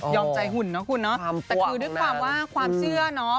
ใจหุ่นเนอะคุณเนาะแต่คือด้วยความว่าความเชื่อเนาะ